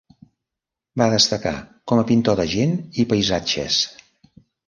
Va destacar com a pintor de gent i paisatges.